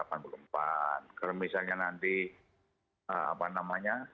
kalau misalnya nanti apa namanya